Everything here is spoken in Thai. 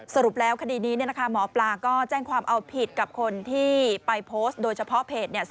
สรุปแล้วคดีนี้มปลาก็แจ้งความเอาผิดกับคนที่ไปโพสต์โดยเฉพาะเพจ